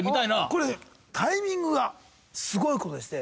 これタイミングがすごいことにですね